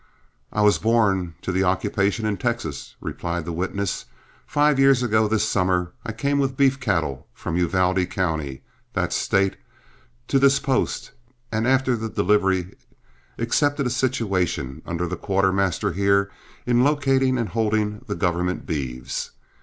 "I was born to the occupation in Texas," replied the witness. "Five years ago this summer I came with beef cattle from Uvalde County, that State, to this post, and after the delivery, accepted a situation under the quartermaster here in locating and holding the government's beeves.